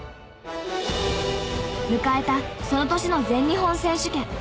迎えたその年の全日本選手権。